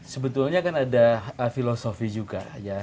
sebetulnya kan ada filosofi juga ya